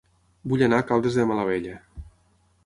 Vull anar a Caldes de Malavella